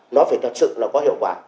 nó phải thật sự là có hiệu quả